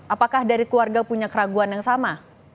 apakah dari keluarga punya keraguan yang sama